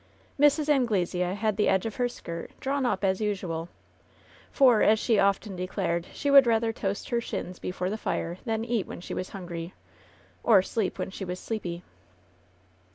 Mrs. Anglesea had the edge of her skirt drawn up as usual, for, as she often declared, she would rather toast her shins before the fire than eat when she was hungry, or sleep when she was sleepy.